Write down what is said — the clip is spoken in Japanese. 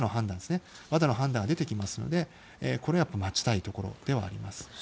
ＷＡＤＡの判断が出てきますのでこれを待ちたいところではあります。